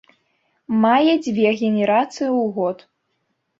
Мае дзве генерацыі ў год.